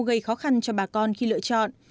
gây khó khăn cho bà con khi lựa chọn